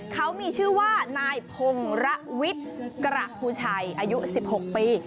เขามีชื่อว่านายพงระวิทย์กระภูชัยอายุ๑๖ปี